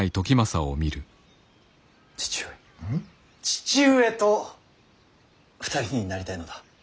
父上と２人になりたいのだ。